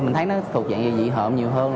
mình thấy nó thuộc dạng dị hợm nhiều hơn